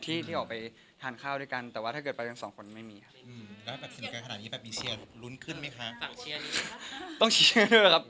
ที่ออกไปทานข้าวด้วยกันแต่ว่าถ้าเกิดไปกันสองคนไม่มีครับ